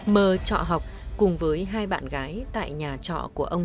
mờ trọ học cùng với hai bạn gái tại nhà trọ của ông